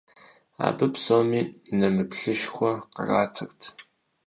Абы псоми нэмыплъышхуэ къратырт.